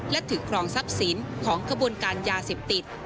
และถือครองทรัพย์สินของขบวนการยาเสพติด